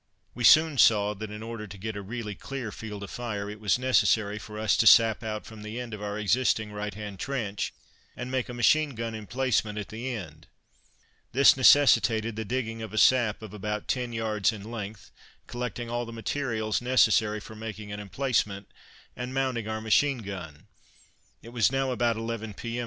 We soon saw that in order to get a really clear field of fire it was necessary for us to sap out from the end of our existing right hand trench and make a machine gun emplacement at the end. [Illustration: 'Ere, you leave that rum jar alone.] This necessitated the digging of a sap of about ten yards in length, collecting all the materials for making an emplacement, and mounting our machine gun. It was now about 11 p.m.